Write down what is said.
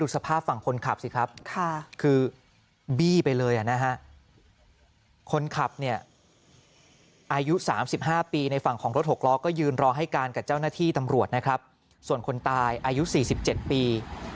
เจ้าหน้าที่ตำรวจนะครับส่วนคนตายอายุ๔๗ปี